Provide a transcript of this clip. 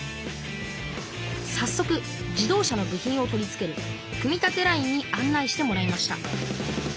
さっそく自動車の部品を取り付ける組み立てラインに案内してもらいました。